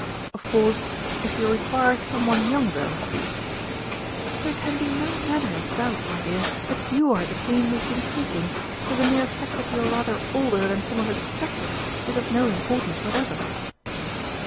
"Of course, if you require someone younger " "There can be no manner of doubt, my dear, that you are the Queen we have been seeking, so the mere fact that you are rather older than some of us expected is of no importance whatever."